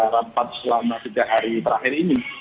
lampas selama sejak hari terakhir ini